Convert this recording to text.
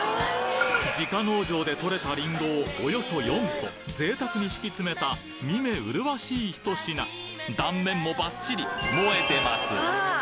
自家農場で取れたリンゴをおよそ４個贅沢に敷き詰めた見目麗しいひと品断面もバッチリ萌えてます